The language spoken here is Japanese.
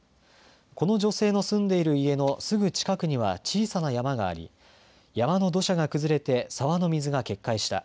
この女性の住んでいる家のすぐ近くには小さな山があり山の土砂が崩れて沢の水が決壊した。